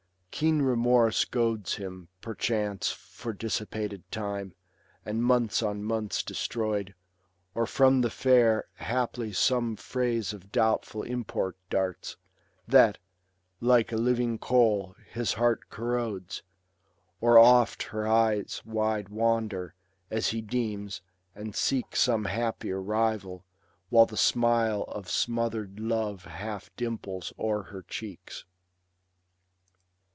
Keen remorse Groads him, perchance, for dissipated time, And months on months destroyed ; or from the fair Haply some phrase of doubtful import darts, That, like a living coal, his heart corrodes ; Or oft her eyes wide wander, as he deems. And seek some happier rival, while the smile Of smother'd love half dimples o'er her cheeks.